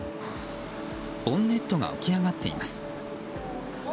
ボンネットが浮き上がっています。